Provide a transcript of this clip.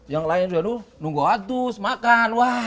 yang lain itu nunggu atus makan